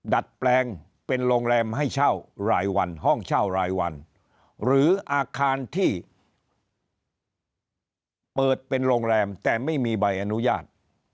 ดัดแปลงเป็นโรงแรมให้เช่ารายวันห้องเช่ารายวันหรืออาคารที่เปิดเป็นโรงแรมแต่ไม่มีใบอนุญาต